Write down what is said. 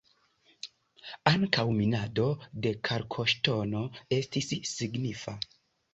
Ankaŭ minado de kalkoŝtono estis signifa.